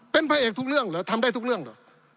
เป็นพระเอกทุกเรื่องเหรอทำได้ทุกเรื่องเหรอ